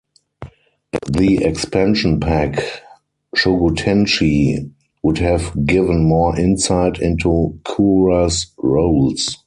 The expansion pack "Shugotenshi" would have given more insight into Kura's roles.